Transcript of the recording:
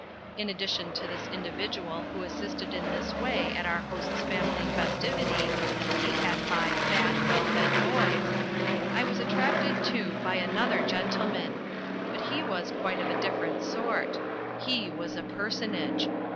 In addition to this individual who assisted in this way at our host's family festivity (he had five fat, well fed boys), I was attracted, too, by another gentleman. But he was quite of a different sort. He was a personage.